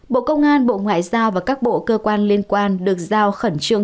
bộ công an bộ ngoại giao và các bộ cơ quan liên quan được giao khẩn trương